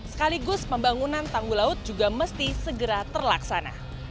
sekaligus pembangunan tanggulaut juga mesti segera terlaksana